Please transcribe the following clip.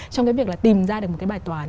trong cái việc là tìm ra được một cái bài toán